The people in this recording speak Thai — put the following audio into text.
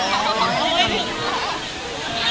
โอเคนะคะ